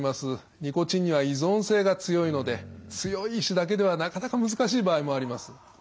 ニコチンには依存性が強いので強い意志だけではなかなか難しい場合もあります。